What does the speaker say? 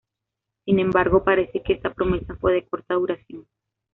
Sin embargo, parece que esta promesa fue de corta duración.